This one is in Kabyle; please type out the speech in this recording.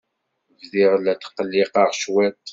Bdiɣ la tqelliqeɣ cwiṭ.